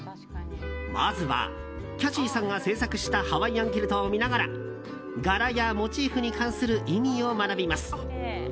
まずはキャシーさんが制作したハワイアンキルトを見ながら柄やモチーフに関する意味を学びます。